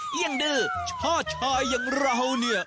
แม่ยังดื้อชาติชายังเราเนี่ย